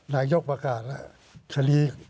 นายกราบวักอาจละ